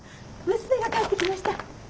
娘が帰ってきました。